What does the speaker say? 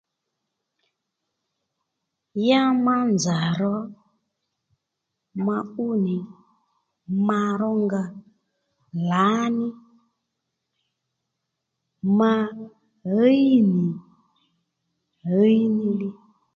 Ya ma nzà ro ma ú nì ma rónga lǎní ma ɦíy nì ɦiy ní